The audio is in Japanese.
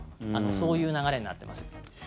そういう流れになってます。